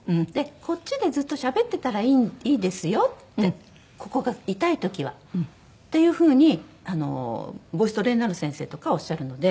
こっちでずっとしゃべってたらいいですよってここが痛い時はっていう風にボイストレーナーの先生とかはおっしゃるので。